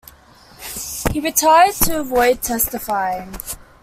He retired to avoid testifying.